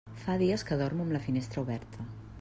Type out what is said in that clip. Fa dies que dormo amb la finestra oberta.